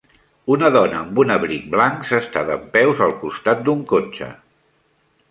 Una dona amb un abric blanc s'està dempeus al costat d'un cotxe.